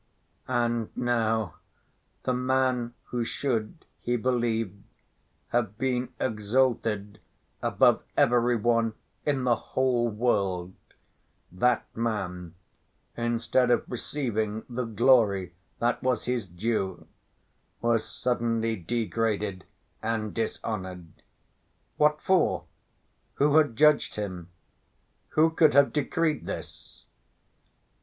And now the man who should, he believed, have been exalted above every one in the whole world, that man, instead of receiving the glory that was his due, was suddenly degraded and dishonored! What for? Who had judged him? Who could have decreed this?